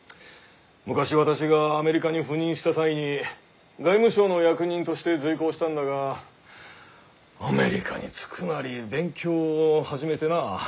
昔私がアメリカに赴任した際に外務省の役人として随行したんだがアメリカに着くなり勉強を始めてな。